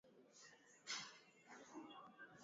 Magufuli hakuwahi kufanya kazi katika wizara ya mambo ya nje